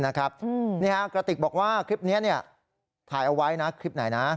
นี่กระติกบอกว่าคลิปนี้ถ่ายเอาไว้นะคลิปไหนนะ